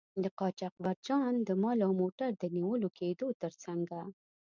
د قاچاقبرجان د مال او موټر د نیول کیدو تر څنګه.